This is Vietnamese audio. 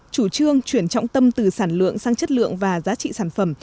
chủ trương chuyển trọng tâm từ sản lượng sang chất lượng và giá trị sản phẩm